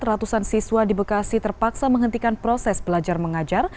ratusan siswa di bekasi terpaksa menghentikan proses belajar mengajar